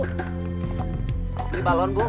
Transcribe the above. beli balon bu